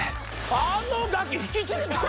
あのガキ引きちぎったろう。